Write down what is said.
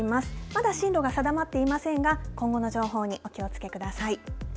まだ進路が定まっていませんが、今後の情報にお気をつけください。